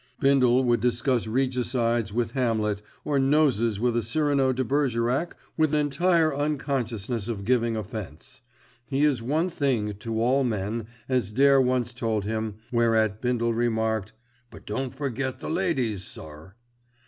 Bindle would discuss regicides with Hamlet, or noses with a Cyrano de Bergerac with entire unconsciousness of giving offence. He is one thing to all men, as Dare once told him, whereat Bindle remarked, "But don't forget the ladies, sir."